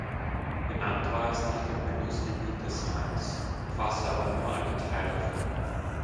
Benannt war es nach dem Mündungsgebiet des Rheins, umfasste aber nur einen Teil davon.